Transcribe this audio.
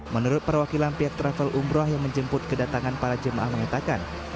menurut perwakilan pihak travel umroh yang menjemput kedatangan para jemaah mengatakan